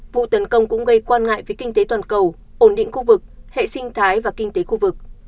vụ tấn công cũng gây quan ngại với kinh tế toàn cầu ổn định khu vực hệ sinh thái và kinh tế khu vực